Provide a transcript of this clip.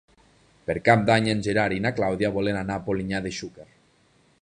Per Cap d'Any en Gerard i na Clàudia van a Polinyà de Xúquer.